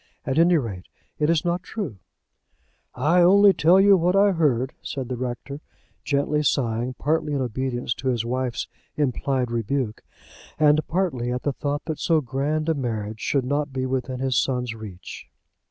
At any rate, it is not true." "I only tell you what I heard," said the rector, gently sighing, partly in obedience to his wife's implied rebuke, and partly at the thought that so grand a marriage should not be within his son's reach.